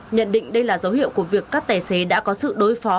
nhận định đây là dấu hiệu của việc các tài xế đã có sự đối phó